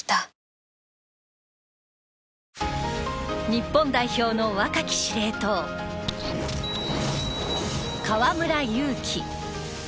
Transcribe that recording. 日本代表の若き司令塔河村勇輝。